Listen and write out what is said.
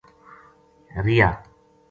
رہیا